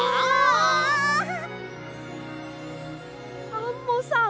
アンモさん